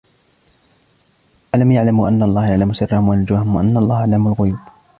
أَلَمْ يَعْلَمُوا أَنَّ اللَّهَ يَعْلَمُ سِرَّهُمْ وَنَجْوَاهُمْ وَأَنَّ اللَّهَ عَلَّامُ الْغُيُوبِ